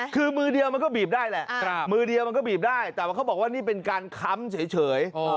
คือมือเดียวมันก็บีบได้แหละแต่ว่าเขาบอกว่านี่เป็นการค้ำเฉย